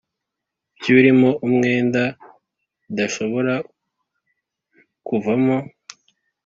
by urimo umwenda bidashobora kuvamo